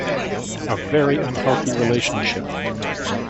A very unhealthy relationship.